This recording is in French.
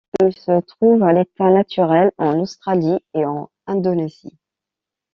Il se trouve à l'état naturel en Australie et en Indonésie.